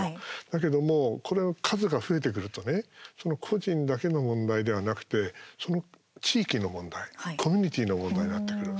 だけどもうこれが数が増えてくるとねその個人だけの問題ではなくてその地域の問題、コミュニティーの問題になってくる。